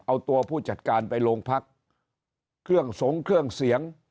เอาตัวผู้จัดการไปโรงพักเครื่องสงเครื่องเสียง